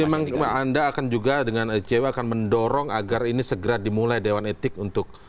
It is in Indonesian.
jadi memang anda akan juga dengan ecewa akan mendorong agar ini segera dimulai dewan etik untuk